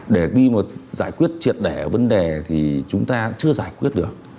để đi mà giải quyết triệt đẻ ở vấn đề thì chúng ta chưa giải quyết được